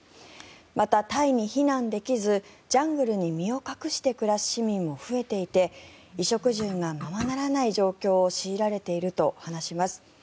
また、タイに避難できずジャングルに身を隠して暮らす市民も増えていて衣食住がままならない状況を強いられていると話します。